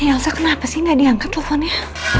ini elsa kenapa sih gak diangkat teleponnya